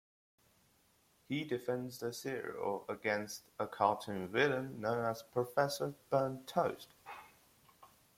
He defends the cereal against a cartoon villain known as Professor Burnt Toast.